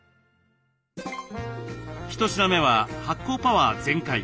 一品目は発酵パワー全開！